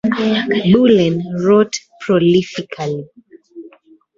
Bullen wrote prolifically.